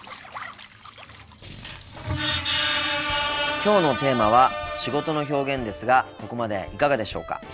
今日のテーマは「仕事の表現」ですがここまでいかがでしょうか？